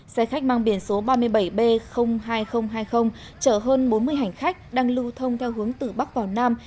xe khách mang biển số ba mươi bảy b hai nghìn hai mươi chở hơn bốn mươi hành khách đang lưu thông theo hướng từ bắc vào nam